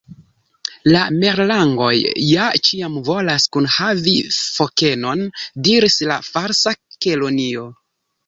"La Merlangoj ja ĉiam volas kunhavi fokenon," diris la Falsa Kelonio.